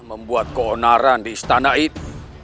membuat keonaran di istana itu